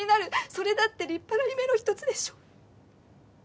それだって立派な夢の一つでしょ？